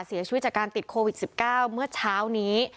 เสียชีวิตจากการติดโควิด๑๙เมื่อเช้านี้